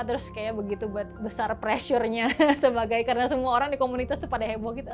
terus kayak begitu besar pressure nya sebagai karena semua orang di komunitas itu pada heboh gitu